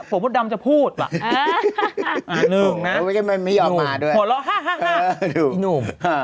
ผมก็ดำจะพูดแบบอ่าหนุ่มนะพี่หนุ่มหัวเราะ๕๕๕พี่หนุ่ม